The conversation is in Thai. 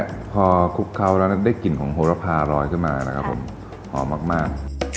แล้วพอคลุกเคล้าแล้วได้กลิ่นของโหระพาลอยขึ้นมานะครับผมหอมมากมาก